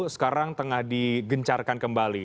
sekarang tengah digencarkan kembali